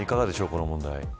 この問題。